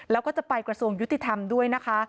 แล้วก็จะไปกระทรวงยุติธรรมด้วยนะคะ